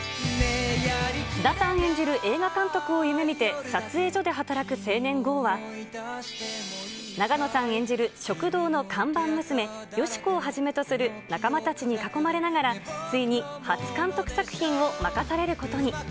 菅田さん演じる、映画監督を夢みて撮影所で働く青年、ゴウは、永野さん演じる、食堂の看板娘、淑子をはじめとする仲間たちに囲まれながら、ついに初監督作品を任されることに。